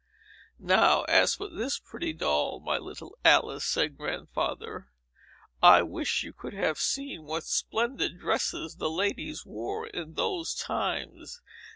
"Now, as for this pretty doll, my little Alice," said Grandfather, "I wish you could have seen what splendid dresses the ladies wore in those times.